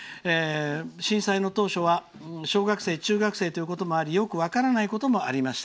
震災の当初は小学生、中学生ということもありよく分からないこともありました。